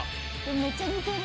めっちゃ似てる。